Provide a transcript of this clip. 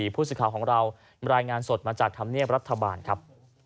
ผู้สื่อข่าวของเรารายงานสดมาจากธรรมเนียบรัฐบาลครับ